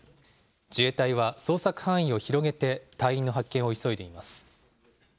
自衛隊は捜索範囲を広げて隊員の発見を急いでいます。